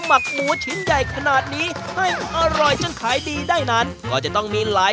หมักหมูชิ้นใหญ่ขนาดนี้ให้อร่อยจนขายดีได้นั้นก็จะต้องมีหลาย